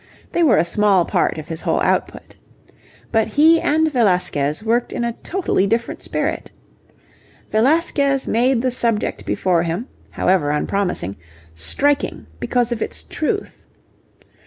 They were a small part of his whole output. But he and Velasquez worked in a totally different spirit. Velasquez made the subject before him, however unpromising, striking because of its truth.